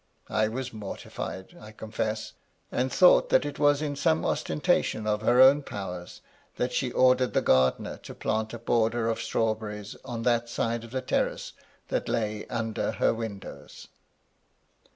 I was mortified, I confess, and thought that it was in some ostentation of her own powers that she ordered the gardener to plant a border of straw berries on that side the terrace that lay under her windows.